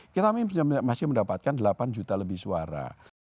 kita masih mendapatkan delapan juta lebih suara